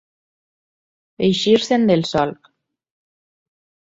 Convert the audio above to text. Eixir-se'n del solc.